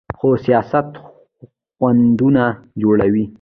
خو سیاست خنډونه جوړوي.